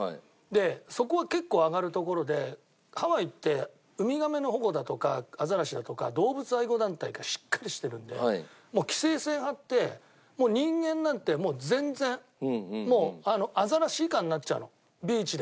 でそこは結構揚がる所でハワイってウミガメの保護だとかアザラシだとか動物愛護団体がしっかりしてるんでもう規制線張って人間なんてもう全然もうアザラシ以下になっちゃうのビーチでは。